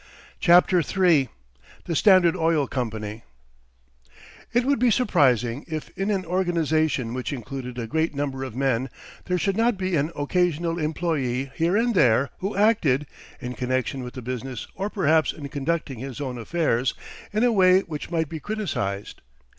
CHAPTER III THE STANDARD OIL COMPANY It would be surprising if in an organization which included a great number of men there should not be an occasional employee here and there who acted, in connection with the business or perhaps in conducting his own affairs, in a way which might be criticized.